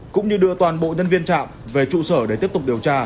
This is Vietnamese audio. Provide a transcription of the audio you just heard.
cũng như đưa toàn bộ nhân viên trạm về trụ sở để tiếp tục điều tra